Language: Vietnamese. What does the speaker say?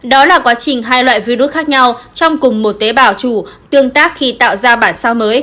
đó là quá trình hai loại virus khác nhau trong cùng một tế bào chủ tương tác khi tạo ra bản sao mới